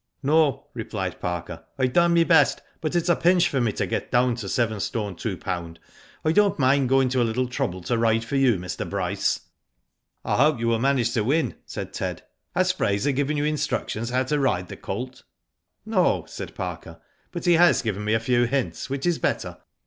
" No," replied Parker. " I've done my best, but it is a pinch for me to get down to yst. 2lb. I don't mind going to a little trouble to ride for you, Mr. Bryce." " I hope you will manage to win," said Ted. Digitized by Google THE GHOST WINS. 267 " Has Eraser given you instructions how to ride the colt?'' " No," said Parker ;" but he has given me a few hints, which is better.